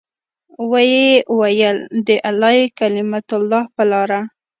ويې ويل د اعلاى کلمة الله په لاره.